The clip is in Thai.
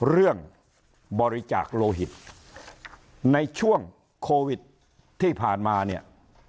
เรื่องบริจาคโลหิตในช่วงโควิดที่ผ่านมาเนี่ย